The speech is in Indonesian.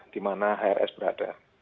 dimana hrs berada